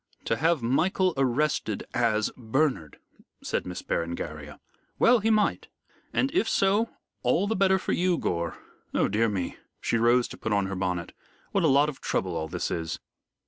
"To have Michael arrested as Bernard," said Miss Berengaria. "Well, he might. And if so, all the better for you, Gore. Oh dear me" she rose to put on her bonnet "what a lot of trouble all this is."